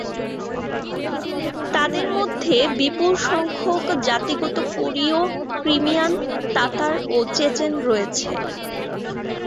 তাদের মধ্যে বিপুল সংখ্যক জাতিগত কোরীয়, ক্রিমিয়ান তাতার ও চেচেন রয়েছে।